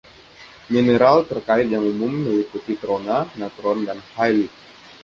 Mineral terkait yang umum meliputi trona, natron dan halit.